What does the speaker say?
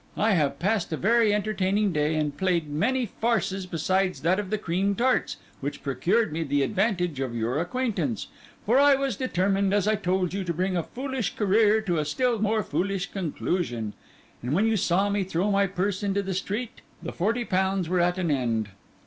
I have passed a very entertaining day, and played many farces besides that of the cream tarts which procured me the advantage of your acquaintance; for I was determined, as I told you, to bring a foolish career to a still more foolish conclusion; and when you saw me throw my purse into the street, the forty pounds were at an end.